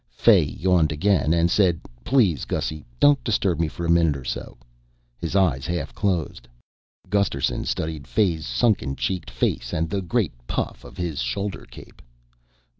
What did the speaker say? Fay yawned again and said, "Please, Gussy, don't disturb me for a minute or so." His eyes half closed. Gusterson studied Fay's sunken cheeked face and the great puff of his shoulder cape.